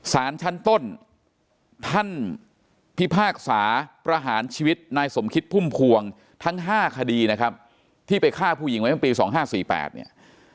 สารชั้นต้นท่านพิพากษาประหารชีวิตนายสมคิดพุ่มพวงทั้ง๕คดีนะครับที่ไปฆ่าผู้หญิงไว้ตั้งแต่ปี๒๕๔๘เนี่ย